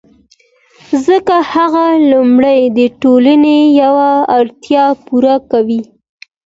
ځکه هغه لومړی د ټولنې یوه اړتیا پوره کوي